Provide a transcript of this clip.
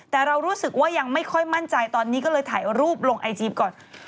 แต่เรารู้สึกว่ายังไม่ค่อยมั่นใจตอนนี้ก็เลยถ่ายรูปลงไอจีก่อน